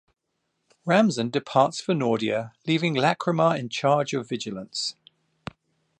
Rimzan departs for Nordia, leaving Lacryma in charge of Vigilance.